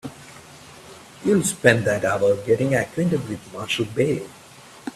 You will spend that hour getting acquainted with Marshall Bailey.